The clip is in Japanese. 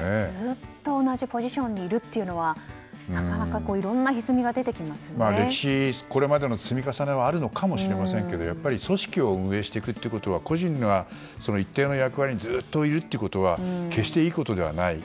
ずっと同じポジションにいるというのはなかなかいろんなひずみが歴史、これまでの積み重ねはあるのかもしれませんけど組織を運営していくということは個人が一定の役割にずっといるということは決していいことではない。